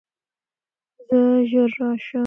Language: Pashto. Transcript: زه ژر راشم.